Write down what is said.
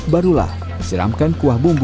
barulah siramkan kuah bumbu